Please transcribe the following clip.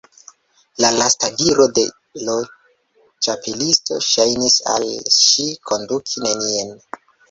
La lasta diro de l' Ĉapelisto ŝajnis al ŝi konduki nenien.